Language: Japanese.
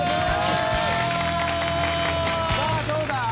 さぁどうだ